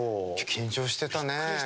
緊張してたね。